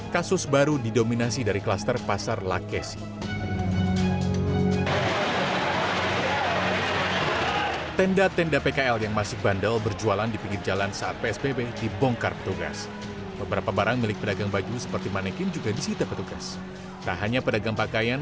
kasus baru didominasi dari kluster pasar lakesi